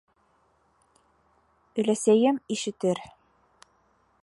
Өләсәйем ишетер...